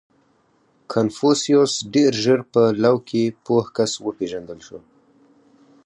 • کنفوسیوس ډېر ژر په لو کې پوه کس وپېژندل شو.